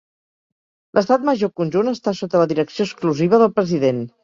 L'Estat Major Conjunt està sota la direcció exclusiva del President.